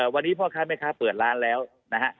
วันนี้พ่อค้าแม่ค้าเปิดร้านแล้วนะฮะ